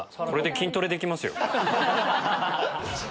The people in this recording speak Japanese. これで筋トレできますよ。